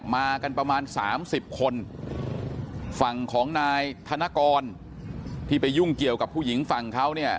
มากันประมาณสามสิบคนฝั่งของนายธนกรที่ไปยุ่งเกี่ยวกับผู้หญิงฝั่งเขาเนี่ย